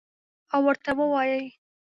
او ورته ووایي: